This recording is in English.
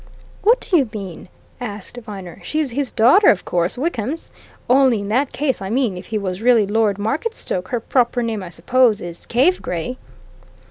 "What do you mean?" asked Viner. "She's his daughter, of course Wickham's. Only, in that case I mean, if he was really Lord Marketstoke her proper name, I suppose, is Cave Gray."